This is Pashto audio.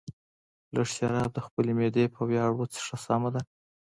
لږ شراب د خپلې معدې په ویاړ وڅښه، سمه ده.